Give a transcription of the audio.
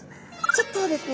ちょっとですね